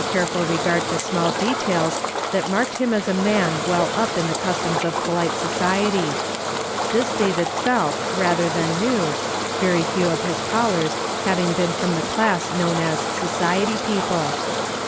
careful regard to .small detads that marked him as a man well up in the customs of pohte society. This David felt rather than knew, very few of his eallciB iiaviiig "THEY OPENED THEIR MOUTH." 65 try been from the class known as society people.